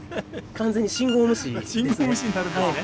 完全に信号無視ですね。